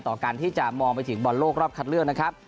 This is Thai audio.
การที่จะมองไปถึงบอลโลกรอบคัดเลือกนะครับ